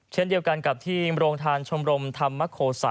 เช่นเดียวกันกับที่โรงทานชมรมธรรมโคสะ